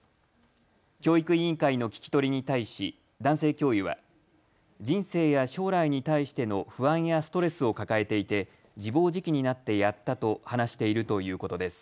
教育委員会の聞き取りに対し男性教諭は人生や将来に対しての不安やストレスを抱えていて自暴自棄になってやったと話しているということです。